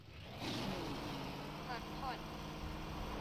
พักผ่อน